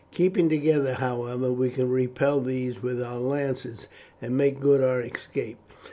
Keeping together, however, we can repel these with our lances, and make good our escape.